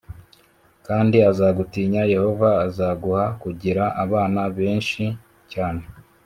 kandi azagutinya “Yehova azaguha kugira abana benshi cyane